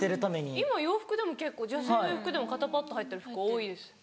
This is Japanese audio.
今洋服でも結構女性の洋服でも肩パット入ってる服多いです。